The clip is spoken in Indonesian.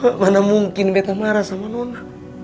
kok mana mungkin beta marah sama nona